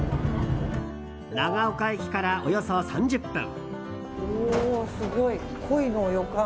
長岡駅からおよそ３０分。